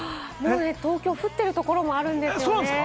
東京、降ってるところもあるんですよね。